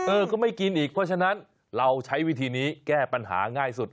ก็ไม่กินอีกเพราะฉะนั้นเราใช้วิธีนี้แก้ปัญหาง่ายสุด